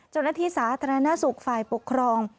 เจ้าหน้าที่สาธารณสุขฝ่ายปกครอง